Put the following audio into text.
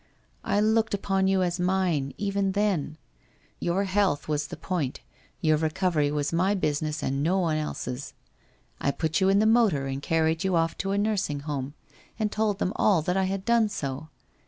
I looked upon you as mine, even then. You health was the point, your recovery was my business and no one else's. I put you in the motor and carried you off to a Nursing Home and told them all that I had done so.